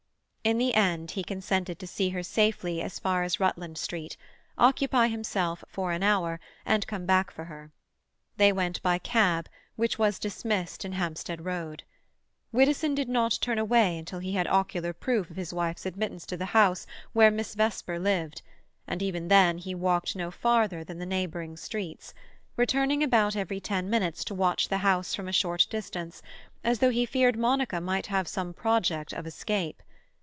In the end he consented to see her safely as far as Rutland Street, occupy himself for an hour, and come back for her. They went by cab, which was dismissed in Hampstead Road. Widdowson did not turn away until he had ocular proof of his wife's admittance to the house where Miss Vesper lived, and even then he walked no farther than the neighbouring streets, returning about every ten minutes to watch the house from a short distance, as though he feared Monica might have some project of escape.